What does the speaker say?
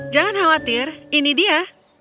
jangan khawatir ini dia